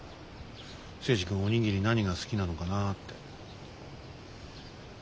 征二君お握り何が好きなのかなって。